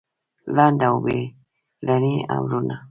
لنډ او بېړني امرونه